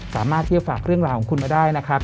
สามารถที่จะฝากเรื่องราวของคุณมาได้นะครับ